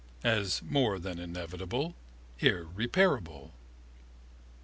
As more than inevitable, irreparable.